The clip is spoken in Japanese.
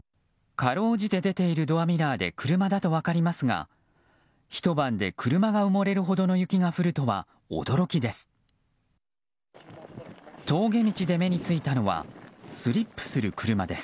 かろうじて出ているドアミラーで車だと分かりますがひと晩で車が埋もれるほどの雪が降るとは驚きです。